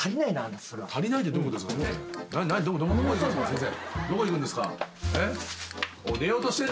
先生。